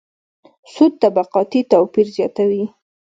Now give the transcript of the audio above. سود طبقاتي توپیر زیاتوي.